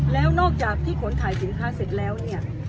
แล้วนอกจากที่ขนถ่ายสินค้าเสร็จแล้วเนี่ย